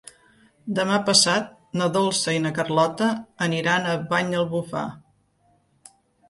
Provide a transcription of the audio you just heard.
Demà passat na Dolça i na Carlota aniran a Banyalbufar.